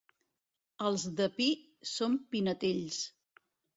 Els de Pi són pinetells.